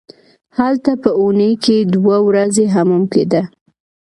هلته په اونۍ کې دوه ورځې حمام کیده.